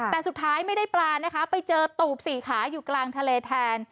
แต่สุดท้ายไม่ได้ปลานะคะไปเจอตูบสี่ขาอยู่กลางทะเลแทน